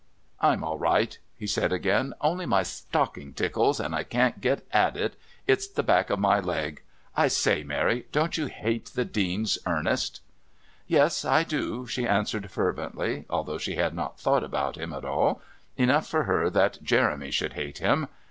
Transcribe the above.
"I'm all right," he said again; "only my stocking tickles, and I can't get at it it's the back of my leg. I say, Mary, don't you hate the Dean's Ernest?" "Yes, I do," she answered fervently, although she had not thought about him at all enough for her that Jeremy should hate him!